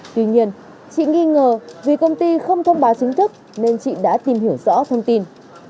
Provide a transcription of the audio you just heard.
tuy nhiên chị nghi ngờ vì công ty không thông báo chính thức nên chị đã tìm hiểu rõ thông tin